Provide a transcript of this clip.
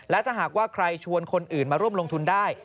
และถ้าหากว่าใครชวนคนอื่นมาร่วมลงทุนได้